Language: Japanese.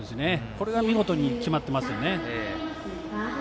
これが見事に決まってますね。